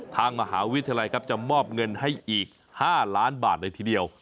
ทางมหาวิทยาลัยครับจะมอบเงินให้อีก๕ล้านบาทเลยทีเดียว